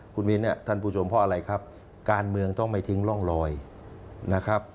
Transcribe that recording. คุณมิ้นท่านผู้ชมเพราะอะไรครับการเมืองต้องไม่ทิ้งร่องรอยนะครับ